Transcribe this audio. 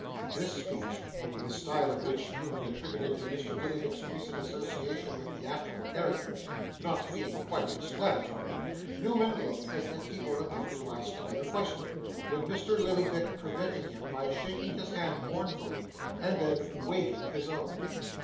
This speech the style of which Newman attributed to Mr. Lillyvick's recent association with theatrical characters not being quite explanatory, Newman looked as if he were about to ask another question, when Mr. Lillyvick prevented him by shaking his hand mournfully, and then waving his own.